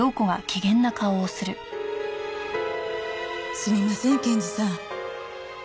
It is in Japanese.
すみません検事さん。